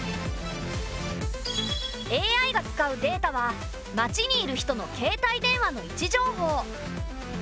ＡＩが使うデータは街にいる人の携帯電話の位置情報。